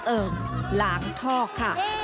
เอ่อหลางท่อค่ะ